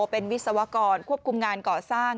เป็นวิศวกรควบคุมงานก่อสร้าง